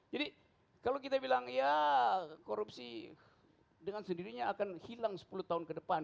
jadi kalau kita bilang ya korupsi dengan sendirinya akan hilang sepuluh tahun ke depan